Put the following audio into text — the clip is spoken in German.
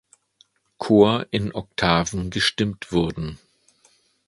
Chor in Oktaven gestimmt wurden.